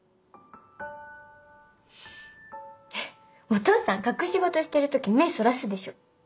お父さん隠し事してる時目そらすでしょ。